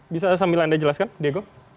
bisa sambil anda jelaskan diego